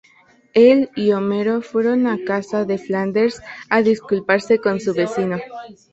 Él y Homero fueron a casa de Flanders a disculparse con su vecino.